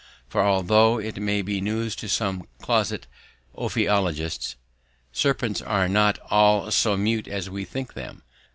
For although it may be news to some closet ophiologists, serpents are not all so mute as we think them.